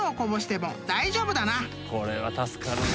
これは助かるね。